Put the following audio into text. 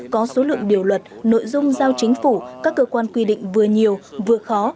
có số lượng điều luật nội dung giao chính phủ các cơ quan quy định vừa nhiều vừa khó